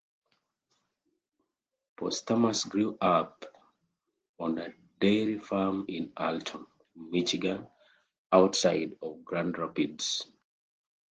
Posthumus grew up on a dairy farm in Alto, Michigan, outside of Grand Rapids.